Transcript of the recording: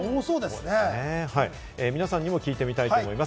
皆さんにも聞いてみたいと思います。